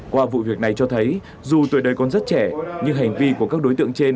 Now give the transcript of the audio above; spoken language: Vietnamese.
qua vụ việc này cho thấy dù tuổi đời còn rất trẻ nhưng hành vi của các đối tượng trên